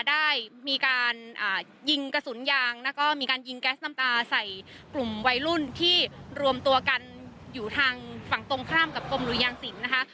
ได้มีการยิงกระสุนยางแล้วก็มีการยิงแก๊สน้ำตาใส่กลุ่มวัยรุ่นที่รวมตัวกันอยู่ทางฝั่งตรงข้ามกับกรมหุยยางสินนะคะ